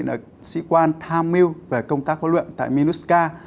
là sĩ quan tham mưu về công tác huấn luyện tại minusca